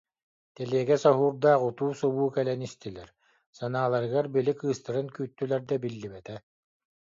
Тэлиэгэ соһуурдаах утуу-субуу кэлэн истилэр, санааларыгар, били, кыыстарын күүттүлэр да, биллибэтэ